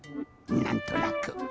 なんとなく。